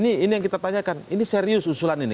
ini yang kita tanyakan ini serius usulan ini